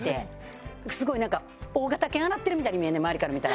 すごいなんか大型犬洗ってるみたいに見えんねん周りから見たら。